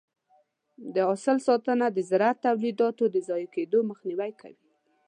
د حاصل ساتنه د زراعتي تولیداتو د ضایع کېدو مخنیوی کوي.